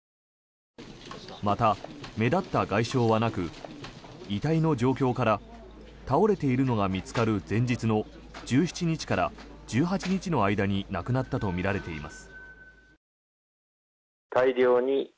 また、目立った外傷はなく遺体の状況から倒れているのが見つかる前日の１７日から１８日の間に亡くなったとみられています。